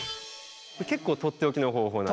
結構とっておきの方法なんです。